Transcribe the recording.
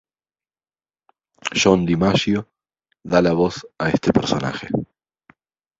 John DiMaggio da la voz a este personaje.